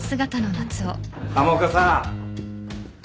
浜岡さん。